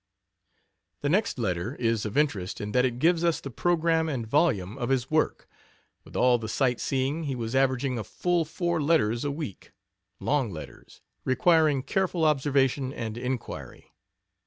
The next letter is of interest in that it gives us the program and volume of his work. With all the sight seeing he was averaging a full four letters a week long letters, requiring careful observation and inquiry.